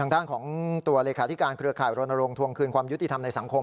ทางด้านของตัวเลขาธิการเครือข่ายรณรงค์ทวงคืนความยุติธรรมในสังคม